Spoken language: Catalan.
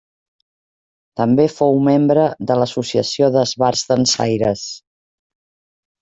També fou membre de l'Associació d'Esbarts Dansaires.